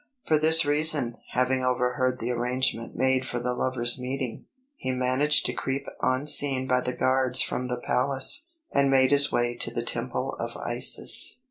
For this reason, having overheard the arrangement made for the lovers' meeting, he managed to creep unseen by the guards from the palace, and made his way to the Temple of Isis.